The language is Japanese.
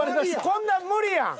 こんなん無理やん。